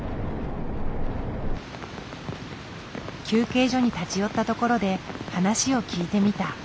休憩所に立ち寄ったところで話を聞いてみた。